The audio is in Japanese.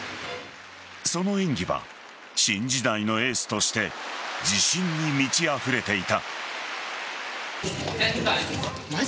その演技はシン時代のエースとして自信に満ちあふれていた。